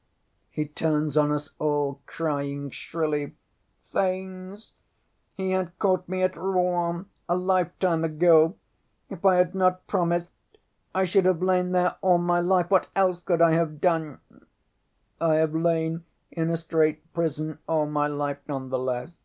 ŌĆØ He turns on us all crying, shrilly: ŌĆ£Thanes, he had caught me at Rouen a lifetime ago. If I had not promised, I should have lain there all my life. What else could I have done? I have lain in a strait prison all my life none the less.